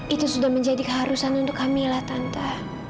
itu sudah menjadi keharusan untuk kami lah tanta